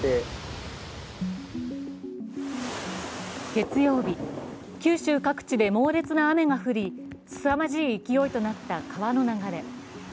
月曜日、九州各地で猛烈な雨が降りすさまじい勢いとなった川の流れ。